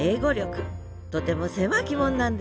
とても狭き門なんです。